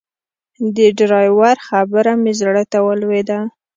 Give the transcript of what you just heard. د ډرایور خبره مې زړه ته ولوېده.